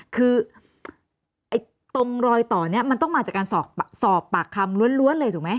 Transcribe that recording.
คือตรงรอยต่อนี้มันต้องมาจากการสอบปากคำล้วนเลยถูกไหม